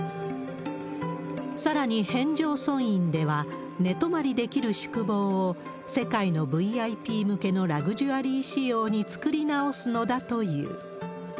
さらに遍照尊院では、寝泊まりできる宿坊を、世界のＶＩＰ向けのラグジュアリー仕様に作り直すのだという。